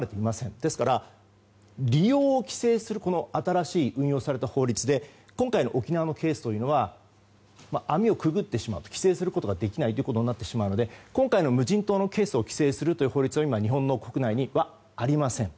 ですから、利用を規制する新しい運用された法律で今回の沖縄のケースというのは網をくぐってしまう規制することができないということになってしまうので今回の無人島のケースを規制するという法律は今、日本国内にはありません。